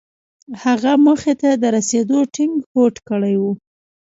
هغه موخې ته د رسېدو ټينګ هوډ کړی و.